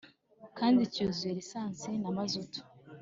kandi cyuzuye lisansi na mazutu